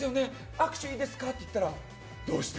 握手いいですかって言ったらどうして？